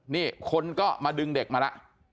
นี่คนก็มาดึงเด็กมาแล้ว